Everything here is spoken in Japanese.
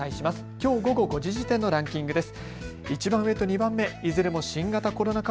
きょう午後５時時点のランキングです。